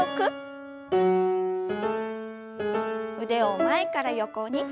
腕を前から横に。